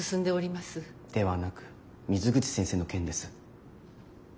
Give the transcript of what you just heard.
ではなく水口先生の件です。